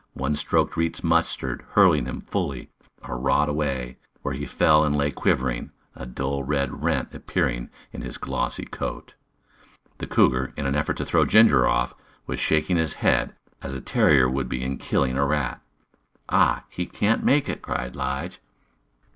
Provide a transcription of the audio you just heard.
One stroke reached Mustard, hurling him fully a rod away, where he fell and lay quivering, a dull red rent appearing in his glossy coat. The cougar, in an effort to throw Ginger off, was shaking his head, as a terrier would in killing a rat. "Ah! He can't make it," cried Lige.